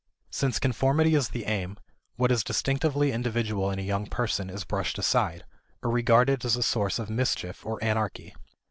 Since conformity is the aim, what is distinctively individual in a young person is brushed aside, or regarded as a source of mischief or anarchy.